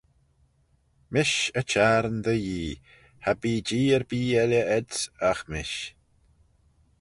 Mish y çhiarn dty Yee; cha bee Jee erbee elley ayd's, agh mish.